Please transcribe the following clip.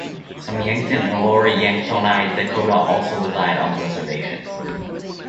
Some Yankton and lower Yanktonai Dakota also reside on the reservation.